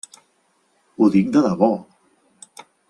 Ho dic de debò.